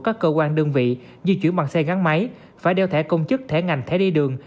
các cơ quan đơn vị di chuyển bằng xe gắn máy phải đeo thẻ công chức thẻ ngành thẻ đi đường